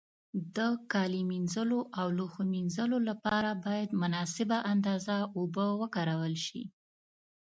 د کالي مینځلو او لوښو مینځلو له پاره باید مناسبه اندازه اوبو وکارول شي.